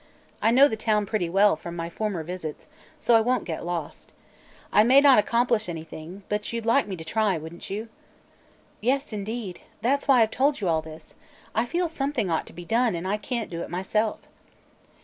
I know the town pretty well, from my former visits, so I won't get lost. I may not accomplish anything, but you'd like me to try, wouldn't you?" "Yes, indeed. That's why I've told you all this. I feel something ought to be done, and I can't do it myself."